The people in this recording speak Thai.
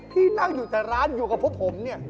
ที่นั่งอยู่แต่ร้านอยู่กับพวกผมเนี่ย